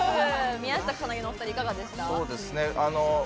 宮下草薙のお２人、いかがでした？